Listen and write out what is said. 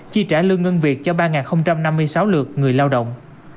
chi trả lương ngân việc cho ba năm mươi sáu lượt người lao động